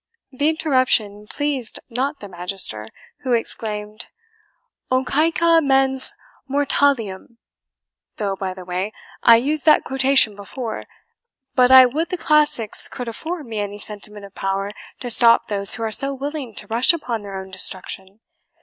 The interruption pleased not the Magister, who exclaimed, "O CAECA MENS MORTALIUM! though, by the way, I used that quotation before. But I would the classics could afford me any sentiment of power to stop those who are so willing to rush upon their own destruction.